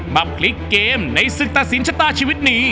มาพลิกเกมในศึกตัดสินชะตาชีวิตนี้